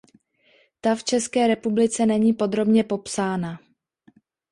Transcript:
Ta v České republice není podrobně popsána.